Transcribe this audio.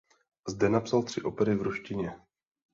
Zde napsal tři opery v ruštině.